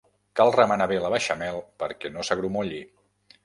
Cal remenar bé la beixamel perquè no s'agrumolli.